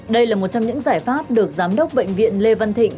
đây là một trong những giải pháp được giám đốc bệnh viện lê văn thịnh